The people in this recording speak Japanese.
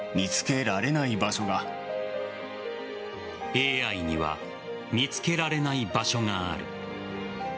ＡＩには見つけられない場所がある。